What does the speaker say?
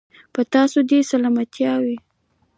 په تاسو دې سلامتيا وي.